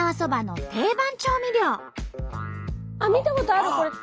あっ見たことあるこれ。